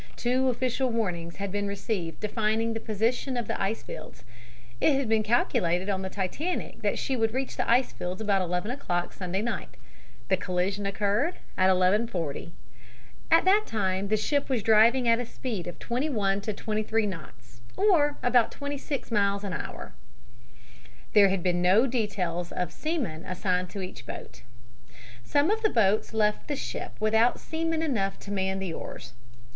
Two official warnings had been received defining the position of the ice fields. It had been calculated on the Titanic that she would reach the ice fields about 11 o'clock Sunday night. The collision occurred at 11.40. At that time the ship was driving at a speed of 21 to 23 knots, or about 26 miles, an hour. There had been no details of seamen assigned to each boat. Some of the boats left the ship without seamen enough to man the oars.